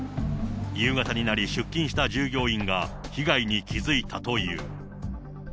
夕方になり、出勤した従業員が被害に気付いたという。